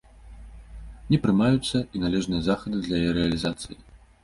Не прымаюцца і належныя захады для яе рэалізацыі.